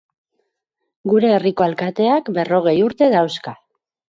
Gure herriko alkateak berrogei urte dauzka.